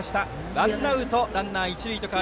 ワンアウトランナー、一塁です。